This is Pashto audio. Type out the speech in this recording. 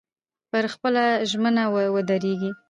پر خپله ژمنه ودرېږئ.